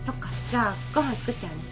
じゃあご飯作っちゃうね。